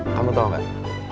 kamu tau gak